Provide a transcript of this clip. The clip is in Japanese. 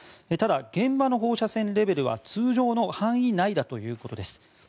ただ、現場の放射線レベルは通常の範囲内ということです。